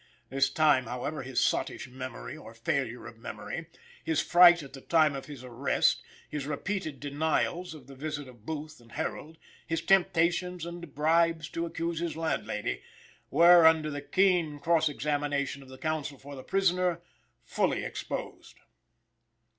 This time, however, his sottish memory or failure of memory, his fright at the time of his arrest, his repeated denials of the visit of Booth and Herold, his temptations and bribes to accuse his landlady, were, under the keen cross examination of the counsel for the prisoner, fully exposed.